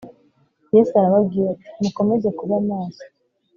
Yesu arababwira ati mukomeze kuba maso